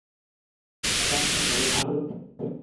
এটা বার্তা আনুগত্যের এনেছে।